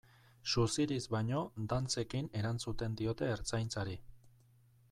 Suziriz baino, dantzekin erantzuten diote Ertzaintzari.